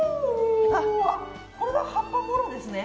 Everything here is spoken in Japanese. これは葉っぱもろですね。